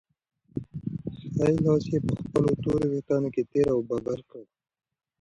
ښی لاس یې په خپلو تورو وېښتانو کې تېر او بېر کړ.